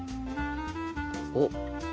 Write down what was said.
おっ！